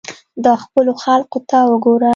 دا خپلو خلقو ته وګوره.